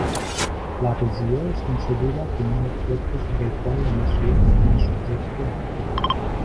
La regió és concebuda com un objecte sobre el qual la nació com a subjecte actua.